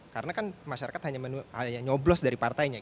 karena kan masyarakat hanya nyoblos dari partainya